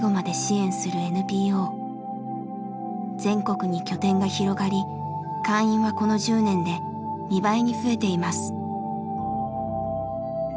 全国に拠点が広がり会員はこの１０年で２倍に増えています。